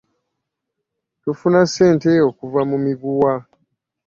Tufuna ssente okuva mu miguwa.